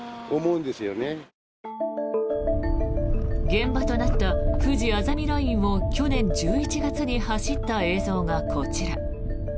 現場となったふじあざみラインを去年１１月に走った映像がこちら。